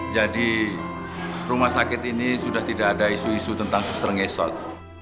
jadi rumah sakit ini sudah tidak ada isu isu tentang suster ngesot